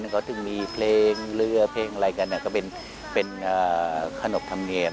พักสีไรกันน่ะก็เป็นขนมทำเนียม